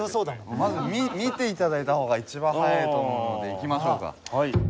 まず見て頂いた方が一番早いと思うので行きましょうか。